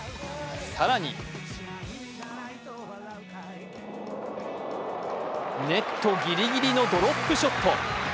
更に、ネットギリギリのドロップショット。